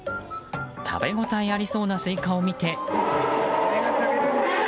食べ応えありそうなスイカを見て。